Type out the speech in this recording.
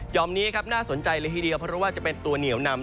นี้ครับน่าสนใจเลยทีเดียวเพราะว่าจะเป็นตัวเหนียวนำ